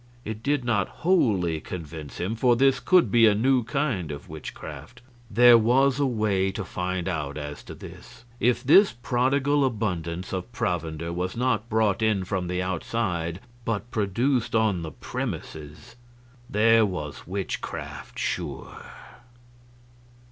It did not wholly convince him, for this could be a new kind of witchcraft. There was a way to find out as to this: if this prodigal abundance of provender was not brought in from the outside, but produced on the premises, there was witchcraft, sure.